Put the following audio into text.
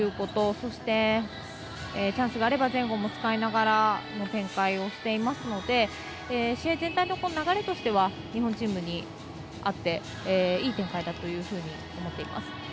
そして、チャンスがあれば前後も使いながらの展開をしていますので試合全体の流れとしては日本チームにあっていい展開だと思っています。